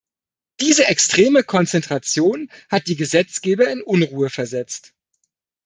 Diese extreme Konzentration hat die Gesetzgeber in Unruhe versetzt.